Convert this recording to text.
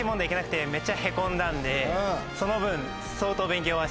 その分。